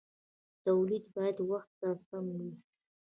تولید باید وخت ته سم وي.